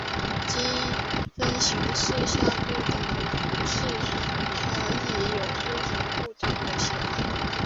积分形式下的不等式可以有几种不同的写法。